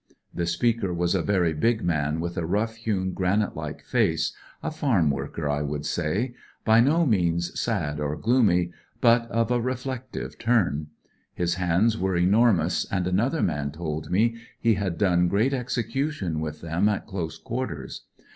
(The speaker was a very big man with a rough hewn granite like face — a farm worker, I would say — ^by no means sad or gloomy ; but of a reflective turn. His hands were enormous, and another man told me he had done great execution with them at close quarters.